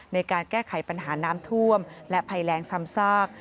ในการแก้ไขปัญหาน้ำท่วมและภัยแรงซ้ำซาก